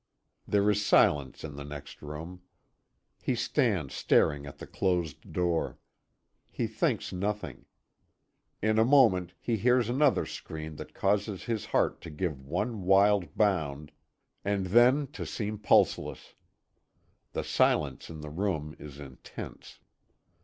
There is silence in the next room. He stands staring at the closed door. He thinks nothing. In a moment he hears another scream that causes his heart to give one wild bound, and then to seem pulseless. The silence in the room is intense.